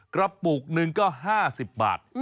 กระปุกหนึ่งก็๕๐บาท